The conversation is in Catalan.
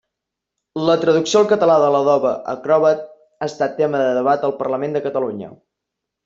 La traducció al català de l'Adobe Acrobat ha estat tema de debat al Parlament de Catalunya.